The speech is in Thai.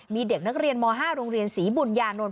มีเด็กนักเรียนม๕โรงเรียนศรีบุญญานนท